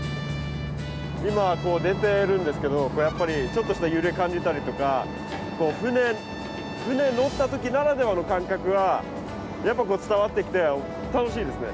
今こう出てるんですけどやっぱりちょっとした揺れ感じたりとか船乗った時ならではの感覚がやっぱこう伝わってきて楽しいですね。